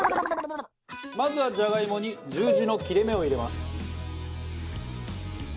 まずはじゃがいもに十字の切れ目を入れます。